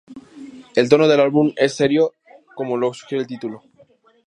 El tono del álbum es serio, como lo sugiere el título.